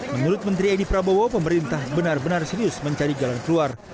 menurut menteri edi prabowo pemerintah benar benar serius mencari jalan keluar